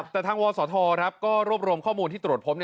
แต่ทางวศธก็รวบรวมข้อมูลที่ตรวจพบ